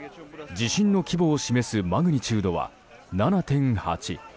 地震の規模を示すマグニチュードは７．８。